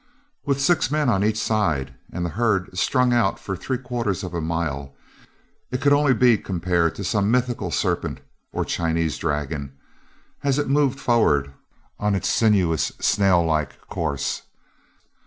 With six men on each side, and the herd strung out for three quarters of a mile, it could only be compared to some mythical serpent or Chinese dragon, as it moved forward on its sinuous, snail like course.